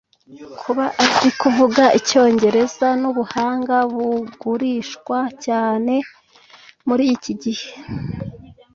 Kuba azi kuvuga icyongereza nubuhanga bugurishwa cyane muri iki gihe.